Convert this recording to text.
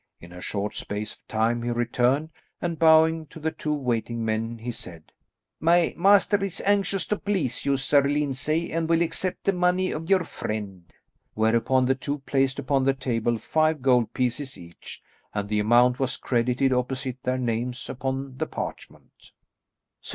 In a short space of time he returned and bowing to the two waiting men he said, "My master is anxious to please you, Sir Lyndsay, and will accept the money of your friend." Whereupon the two placed upon the table five gold pieces each, and the amount was credited opposite their names upon the parchment. [Illustration: "THE FIGURE OF A TALL MAN."